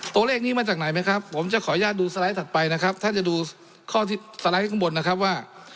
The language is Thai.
ตัวเลขนี้มาจากไหนไหมครับผมจะขออนุญาตดูสไลด์ถัดไปนะครับถ้าจะดูข้อที่สไลด์ข้างบนนะครับว่า